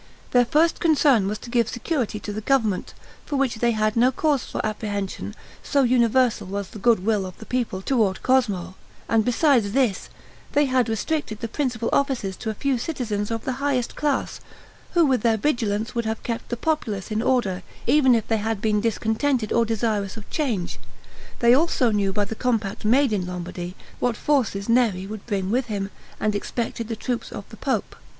Their first concern was to give security to the government, for which they had no cause for apprehension, so universal was the good will of the people toward Cosmo; and besides this, they had restricted the principal offices to a few citizens of the highest class, who with their vigilance would have kept the populace in order, even if they had been discontented or desirous of change. They also knew by the compact made in Lombardy what forces Neri would bring with him, and expected the troops of the pope.